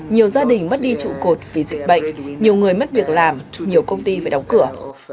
nhiều gia đình mất đi trụ cột vì dịch bệnh nhiều người mất việc làm nhiều công ty phải đóng cửa